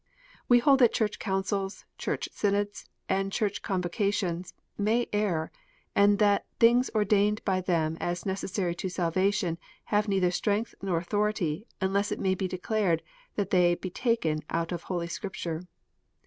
We hold that Church councils, Church synods, and Church convocations, may err, and that " things ordained by them as necessary to salvation have neither strength nor authority, unless it may be declared that they be taken out of Holy Scripture."